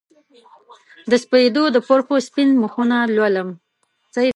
د سپیدو د پرخو سپین مخونه لولم